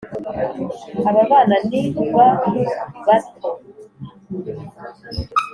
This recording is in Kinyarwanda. aba bana niba bato